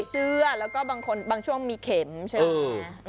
เสื้อแล้วก็บางคนบางช่วงมีเข็มใช่ไหม